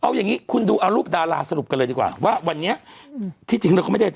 เอาอย่างงี้คุณดูเอารูปดาราสรุปกันเลยดีกว่าว่าวันนี้ที่จริงแล้วเขาไม่ได้